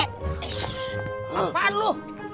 eh eh eh apaan lu